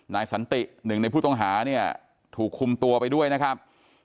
สันติหนึ่งในผู้ต้องหาเนี่ยถูกคุมตัวไปด้วยนะครับ